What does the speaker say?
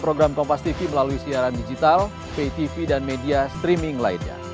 kita akan melalui siaran digital pay tv dan media streaming lainnya